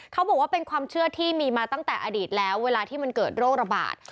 เขาบอกว่าเป็นความเชื่อที่มีมาตั้งแต่อดีตแล้วเวลาที่มันเกิดโรคระบาด